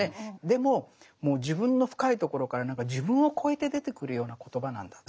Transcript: でももう自分の深いところからなんか自分を超えて出てくるような言葉なんだ。